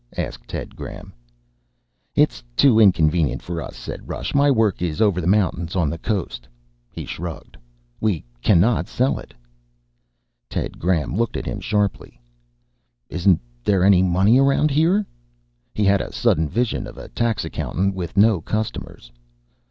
asked Ted Graham. "It's too inconvenient for us," said Rush. "My work is over the mountains on the coast." He shrugged. "We cannot sell it." Ted Graham looked at him sharply. "Isn't there any money around here?" He had a sudden vision of a tax accountant with no customers.